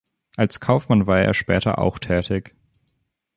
Als Kaufmann war er später auch tätig.